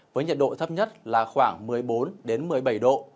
với nhiệt độ thấp nhất là khoảng một mươi bốn một mươi bảy độ